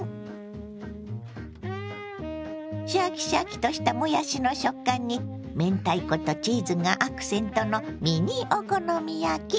シャキシャキとしたもやしの食感に明太子とチーズがアクセントのミニお好み焼き。